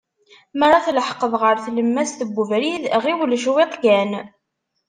Mi ara tleḥqeḍ ɣer tlemmas n ubrid, ɣiwel cwiṭ kan.